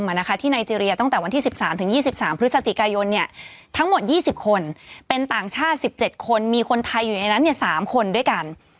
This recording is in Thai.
มีคนไทยอยู่ในนั้นเนี่ย๓คนด้วยกัน